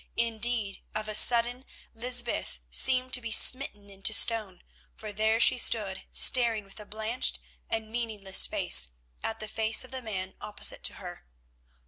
Indeed, of a sudden Lysbeth seemed to be smitten into stone, for there she stood staring with a blanched and meaningless face at the face of the man opposite to her.